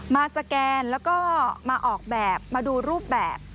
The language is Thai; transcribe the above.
สแกนแล้วก็มาออกแบบมาดูรูปแบบ